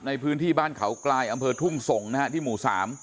ในพื้นที่บ้านเขากลายอำเภอทุ่งส่งนะฮะที่หมู่๓